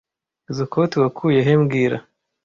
Izoi koti wakuye he mbwira